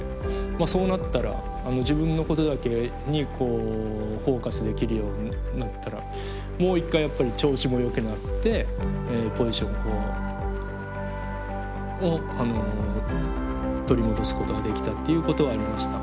そうなったら自分のことだけにフォーカスできるようになったらもう一回やっぱり調子もよくなってポジションを取り戻すことができたっていうことはありました。